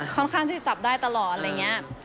ค่อนข้างที่จะจับได้ตลอดอะไรอย่างนี้